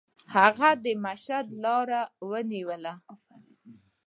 هغه د مشهد لاره ونیوله.